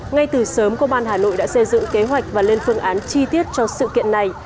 ngay từ sớm công an hà nội đã xây dựng kế hoạch và lên phương án chi tiết cho sự kiện này